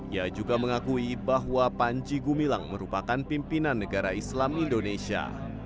ia juga mengakui bahwa panji gumilang merupakan pimpinan negara islam indonesia